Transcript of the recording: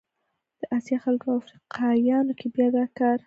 د اسیا خلکو او افریقایانو کې بیا دا کار